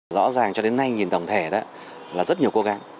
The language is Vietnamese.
rõ ràng cho đến nay nhìn tổng thể đó là rất nhiều cố gắng